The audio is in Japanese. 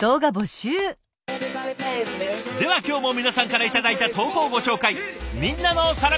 では今日も皆さんから頂いた投稿をご紹介。